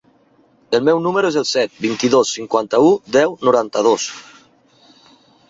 El meu número es el set, vint-i-dos, cinquanta-u, deu, noranta-dos.